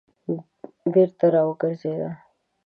بېرته راوګرځېده.